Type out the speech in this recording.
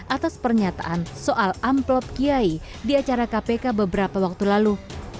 atas pernyataan soal amplop kiai di acara kpk beberapa waktu lalu